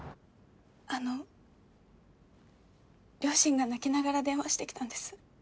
あの両親が泣きながら電話してきたんです。